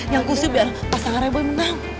yang khusus biar pasangan reboy menang